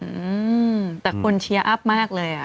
อืมแต่คนเชียร์อัพมากเลยอ่ะ